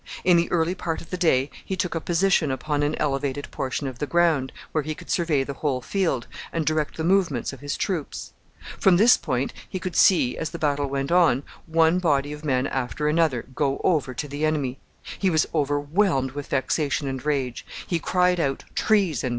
In the early part of the day he took a position upon an elevated portion of the ground, where he could survey the whole field, and direct the movements of his troops. From this point he could see, as the battle went on, one body of men after another go over to the enemy. He was overwhelmed with vexation and rage. He cried out, Treason!